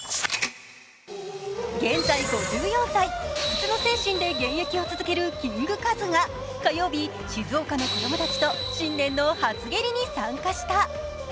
現在５４歳、不屈の精神で現役を続けるキングカズが火曜日、静岡の子供たちと新年の初蹴りに参加した。